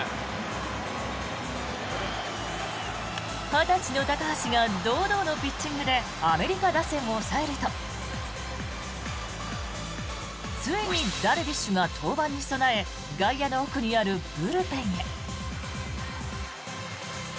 ２０歳の高橋が堂々のピッチングでアメリカ打線を抑えるとついにダルビッシュが登板に備え外野の奥にあるブルペンへ。